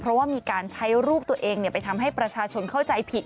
เพราะว่ามีการใช้รูปตัวเองไปทำให้ประชาชนเข้าใจผิด